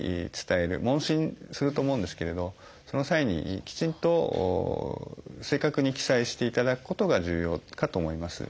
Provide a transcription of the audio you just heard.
問診すると思うんですけれどその際にきちんと正確に記載していただくことが重要かと思います。